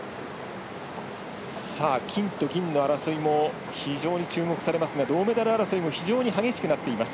金と銀の争いも非常に注目されますが銅メダル争いも非常に激しくなっています。